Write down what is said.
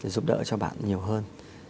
giúp đỡ cho bạn nhiều hơn